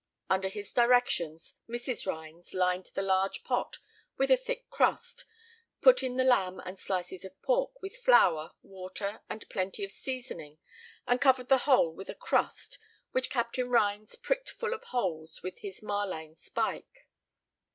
Under his directions, Mrs. Rhines lined the large pot with a thick crust, put in the lamb and slices of pork, with flour, water, and plenty of seasoning, and covered the whole with a crust, which Captain Rhines pricked full of holes with his marline spike.